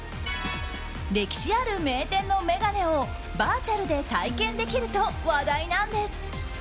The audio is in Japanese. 歴史ある名店の眼鏡をバーチャルで体験できると話題なんです。